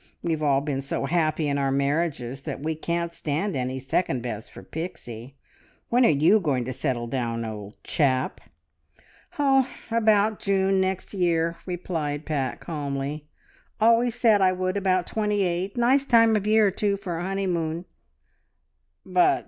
We've all been so happy in our marriages that we can't stand any second bests for Pixie! When are you going to settle down, old chap?" "Oh, about next June year," replied Pat calmly. "Always said I would about twenty eight. Nice time of year, too, for a honeymoon!" "But ...